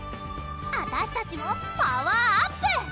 あたしたちもパワーアップ！